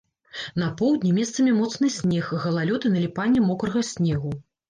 На поўдні месцамі моцны снег, галалёд і наліпанне мокрага снегу.